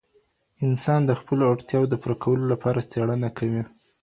انسان د خپلو اړتیاوو د پوره کولو لپاره څېړنه کوي.